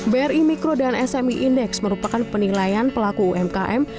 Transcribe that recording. bri micro dan sme index merupakan penilaian pelaku umkm